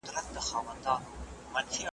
لوستل د مغز لپاره تمرین دی.